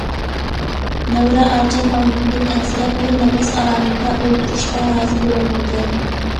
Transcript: نەۋرە ئاچام ئاينۇردىن ئەنسىرەپ بىر نەپەس ئارامىمدا ئولتۇرۇشقا رازى بولالمىدىم.